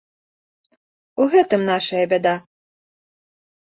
У гэтым нашая бяда.